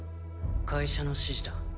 会社の指示だ。